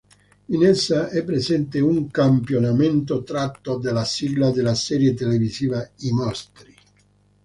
In essa è presente un campionamento tratto della sigla della serie televisiva "I mostri".